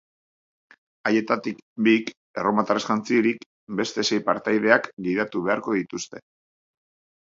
Haietatik bik, erromatarrez jantzirik, beste sei partaideak gidatu beharko dituzte.